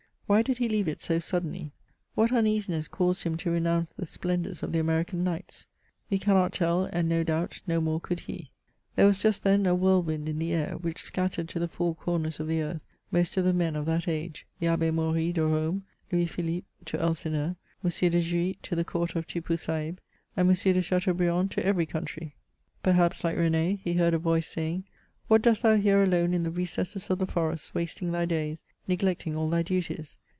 Why did he leave it so suddenly ? what uneasiness caused him to renounce the splendours of the American nights ? We cannot tell, and no doubt no more could he. There was just then a whirlwind in the air, which scattered to the four comers of the earth most of the men of that age — the Abb^ Maury to Rome, Louis Philippe to Elsineur, M. de Jouy to the court of Tippoo Saib, and M. de Chateaubriand to every country. Perhaps, Uke R^n^, he heard a voice, saying, "What dost thou here alone in the recesses of the forests wasting thy days, neglecting all thy duties